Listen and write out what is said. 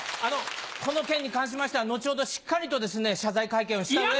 この件に関しましては後ほどしっかりと謝罪会見をした上で。